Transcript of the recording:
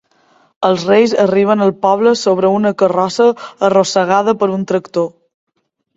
Els Reis arriben al poble sobre una carrossa arrossegada per un tractor.